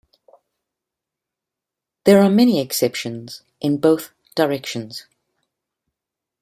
There are many exceptions in both directions.